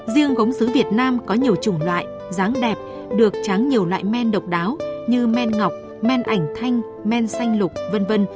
riêng gốm xứ việt nam có nhiều chủng loại ráng đẹp được tráng nhiều loại men độc đáo như men ngọc men ảnh thanh men xanh lục v v